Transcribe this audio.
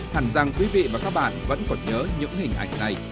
hẳn rằng quý vị và các bạn vẫn còn nhớ những hình ảnh này